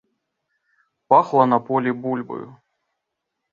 Пахла на полі бульбаю.